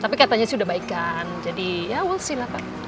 tapi katanya sudah baik kan jadi ya we'll see lah pak